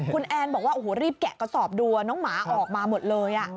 คุณแอนบอกว่าโอ้โหรีบแกะกระสอบดูน้องหมาออกมาหมดเลย